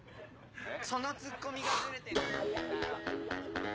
そのツッコミがズレてんだ。